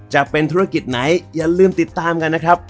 จะเป็นธุรกิจไหนอย่าลืมติดตามกันนะครับ